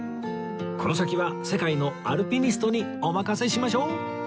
この先は世界のアルピニストにお任せしましょう！